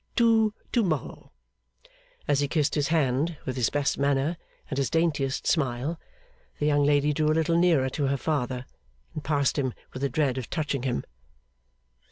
To to morrow!' As he kissed his hand, with his best manner and his daintiest smile, the young lady drew a little nearer to her father, and passed him with a dread of touching him.